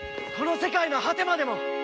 この世界の果てまでも！